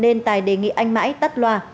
nên tài đề nghị anh mãi tắt loa